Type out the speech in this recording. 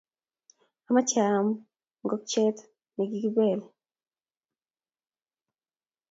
ameche aam ngokyet ne kikibel.